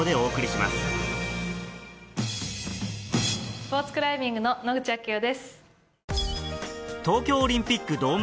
スポーツクライミングの野口啓代です。